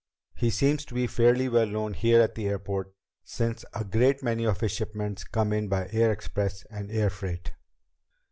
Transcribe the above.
He seems to be fairly well known here at the airport, since a great many of his shipments come in by air express and air freight."